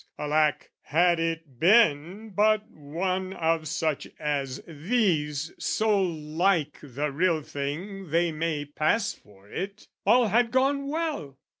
Alack, had it been but one of such as these So like the real thing they may pass for it, All had gone well!